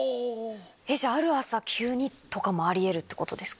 ある朝急にとかもあり得るってことですか？